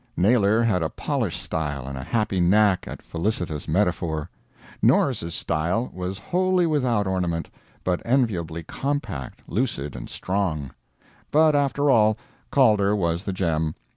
Naylor had a polished style and a happy knack at felicitous metaphor; Norris's style was wholly without ornament, but enviably compact, lucid, and strong. But after all, Calder was the gem.